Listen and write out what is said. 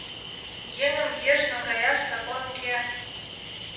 — Еҥым виеш наҥгаяш закон уке.